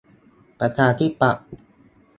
ประชาธิปัตย์